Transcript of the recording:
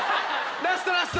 ラストラスト！